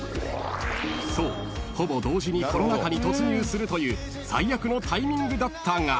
［そうほぼ同時にコロナ禍に突入するという最悪のタイミングだったが］